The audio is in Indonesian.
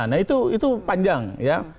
nah itu panjang ya